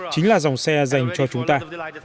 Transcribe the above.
chính là dòng xe dành cho chúng ta